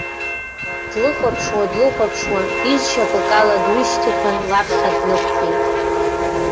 Длыхәаԥшуа, длыхәаԥшуа, изшьапык ала дҩышьҭыԥан, лаԥхьа днықәтәеит.